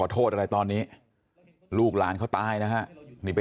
ต้องกลัวครับ